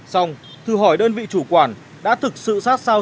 xong thư hỏi đơn vị chủ quản đã thực sự sát sao